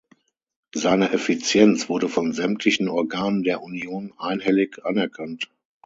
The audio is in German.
Seine Effizienz wurde von sämtlichen Organen der Union einhellig anerkannt.